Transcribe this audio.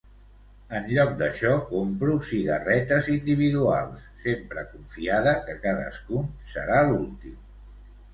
En lloc d'això, compro cigarretes individuals, sempre confiada que cadascun serà l'últim.